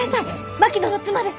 槙野の妻です！